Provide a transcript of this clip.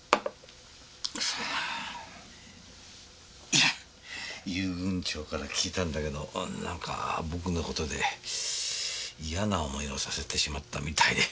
いや遊軍長から聞いたんだけどなんか僕の事で嫌な思いをさせてしまったみたいで。